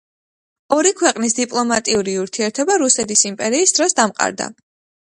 ორი ქვეყნის დიპლომატიური ურთიერთობა რუსეთის იმპერიის დროს დამყარდა.